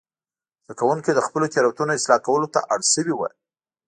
زده کوونکي د خپلو تېروتنو اصلاح کولو ته اړ شوي وو.